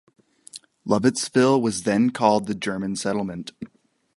Lovettsville was then called The German Settlement.